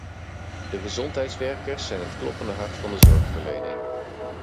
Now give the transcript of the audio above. De gezondheidswerkers zijn het kloppende hart van de zorgverlening.